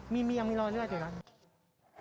มีมียังมีรอยเลือดอยู่แล้ว